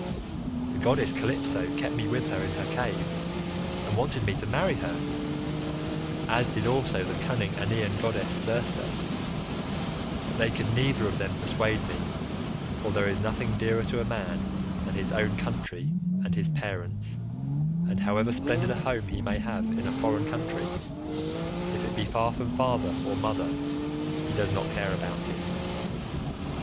The goddess Calypso kept me with her in her cave, and wanted me to marry her, as did also the cunning Aeaean goddess Circe; but they could neither of them persuade me, for there is nothing dearer to a man than his own country and his parents, and however splendid a home he may have in a foreign country, if it be far from father or mother, he does not care about it.